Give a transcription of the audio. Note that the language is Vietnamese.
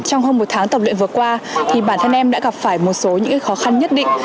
trong hơn một tháng tập luyện vừa qua thì bản thân em đã gặp phải một số những khó khăn nhất định